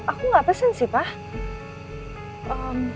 aku nggak pesen sih pak